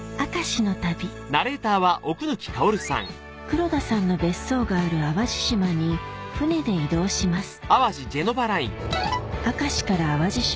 黒田さんの別荘がある淡路島に船で移動します